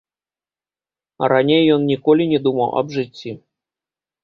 Раней ён ніколі не думаў аб жыцці.